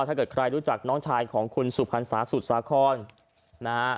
ถ้าเกิดใครรู้จักน้องชายของคุณสุพรรษาสุดสาครนะฮะ